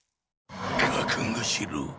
かくごしろ。